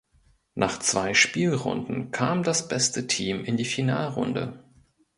Nach zwei Spielrunden kam das beste Team in die Finalrunde.